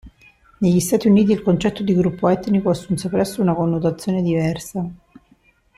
Negli Stati Uniti, il concetto di gruppo etnico assunse presto una connotazione diversa.